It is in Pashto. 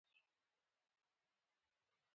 افغانستان له تالابونه ډک دی.